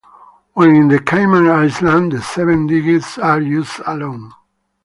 When in the Cayman Islands, the seven digits are used alone.